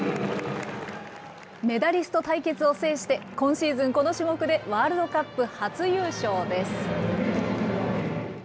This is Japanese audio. メダリスト対決を制して、今シーズンこの種目でワールドカップ初優勝です。